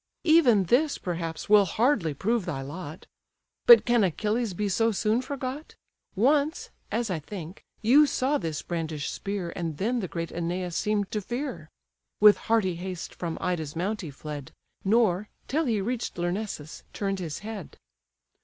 Even this, perhaps, will hardly prove thy lot. But can Achilles be so soon forgot? Once (as I think) you saw this brandish'd spear, And then the great Æneas seem'd to fear: With hearty haste from Ida's mount he fled, Nor, till he reach'd Lyrnessus, turn'd his head.